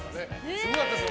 すごかったです。